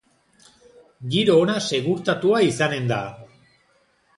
Giro ona segurtatua izanen da!